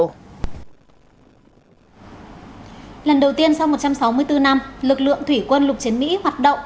lần đầu tiên sau một trăm sáu mươi bốn năm lực lượng thủy quân lục chiến mỹ hoạt động